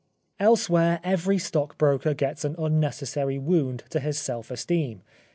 Elsewhere every stockbroker gets an un necessary wound to his self esteem.